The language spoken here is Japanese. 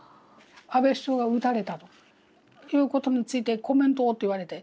安倍首相が撃たれたということについてコメントをって言われて。